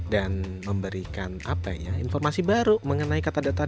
dan memberikan apa ya informasi baru mengenai kata data dua puluh lima